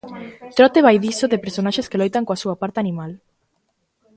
Trote vai diso, de personaxes que loitan coa súa parte animal.